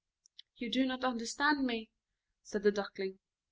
"You do not understand me," said the Duckling.